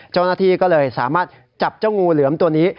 เจ้าหน้าที่ก็เลยสามารถจับเจ้างูเหลือมตัวนี้